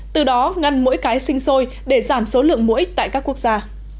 từ đó ngăn mũi cái sinh sôi để giảm số lượng mũi tại các quốc gia